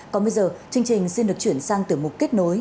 còn bây giờ chương trình xin được chuyển sang tiểu mục kết nối